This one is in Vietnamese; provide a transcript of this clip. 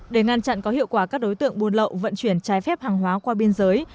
để ngăn chặn có hiệu quả các đối tượng buôn lậu vận chuyển trái phép hàng hóa qua biên giới